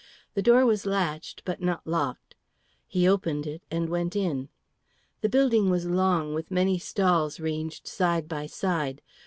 The door was latched, but not locked. He opened it and went in. The building was long, with many stalls ranged side by side.